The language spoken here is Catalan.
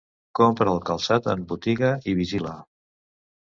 Compra el calçat en botiga i vigila.